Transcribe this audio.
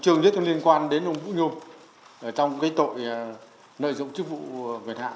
trương duy nhất liên quan đến ông vũ nhôm trong tội nợ dụng chức vụ vệt hạng